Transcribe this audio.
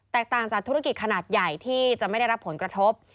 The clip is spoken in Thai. ต่างจากธุรกิจขนาดใหญ่ที่จะไม่ได้รับผลกระทบ